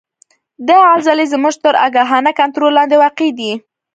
دا عضلې زموږ تر آګاهانه کنترول لاندې واقع دي.